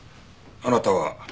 あなたは？